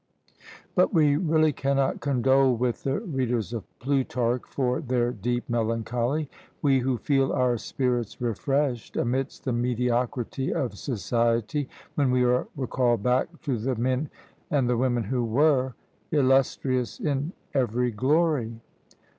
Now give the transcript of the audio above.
But we really cannot condole with the readers of Plutarch for their deep melancholy; we who feel our spirits refreshed, amidst the mediocrity of society, when we are recalled back to the men and the women who WERE! illustrious in every glory!